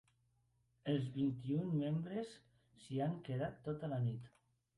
Els vint-i-un membres s’hi han quedat tota la nit.